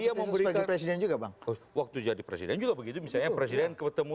iya mau berikan presiden juga bang waktu jadi presiden juga begitu misalnya presiden ketemu